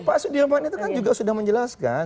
pak sudirman itu kan juga sudah menjelaskan